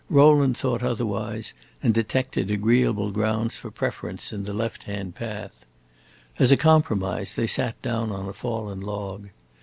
Rowland thought otherwise, and detected agreeable grounds for preference in the left hand path. As a compromise, they sat down on a fallen log.